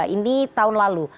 ini tahun lalu